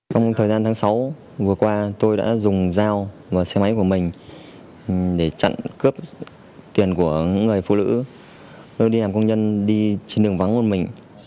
trong thời gian tháng sáu vừa qua tôi đã dùng dao vào xe máy của mình để chặn cướp tiền của người phụ nữ tôi đi làm công nhân đi trên đường vắng của mình